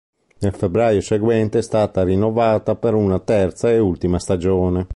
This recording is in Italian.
Nel febbraio seguente è stata rinnovata per una terza e ultima stagione.